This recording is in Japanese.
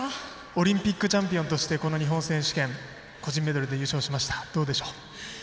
オリンピックチャンピオンとしてこの日本選手権優勝しました、どうでしょうか。